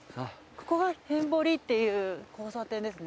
ここは人里っていう交差点ですね。